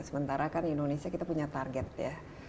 sementara kan indonesia kita punya target ya